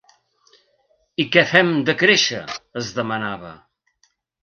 I què fem decréixer, es demanava.